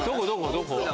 どこ？